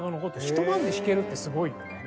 ひと晩で弾けるってすごいよね。